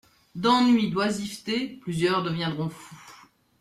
D'ennui, d'oisiveté, plusieurs deviendront fous.